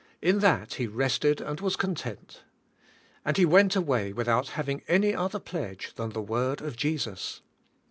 In that he rested and was content. And he went away without having any other pledge than the word of Jesus.